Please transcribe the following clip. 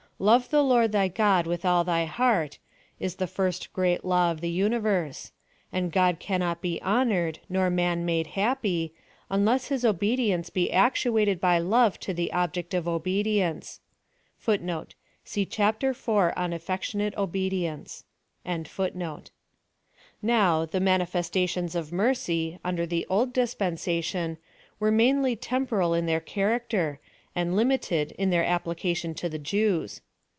" Love the Lord thy God with all thy heart" — is the first great law of the universe; and God cannot be honored, nor man made happy, unless his obedience be actuated by love to the ob ject of obedience.* Now, the manifestations of mercy, under the old dispensation, were mainly temporal in their character, and limited in their application to the Jews.